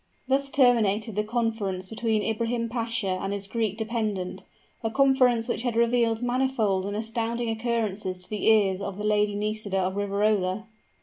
Thus terminated the conference between Ibrahim Pasha and his Greek dependent a conference which had revealed manifold and astounding occurrences to the ears of the Lady Nisida of Riverola.